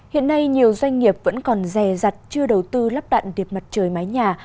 hiện nay nhiều doanh nghiệp vẫn còn rè rặt chưa đầu tư lắp đặt điện mặt trời mái nhà